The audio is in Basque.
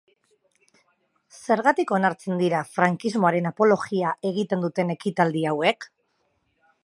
Zergatik onartzen dira frankismoaren apologia egiten duten ekitaldi hauek?